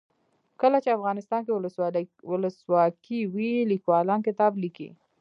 کله چې افغانستان کې ولسواکي وي لیکوالان کتاب لیکي.